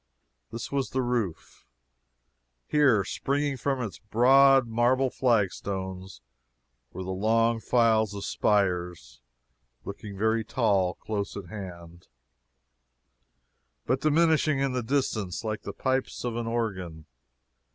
This was the roof. Here, springing from its broad marble flagstones, were the long files of spires, looking very tall close at hand, but diminishing in the distance like the pipes of an organ.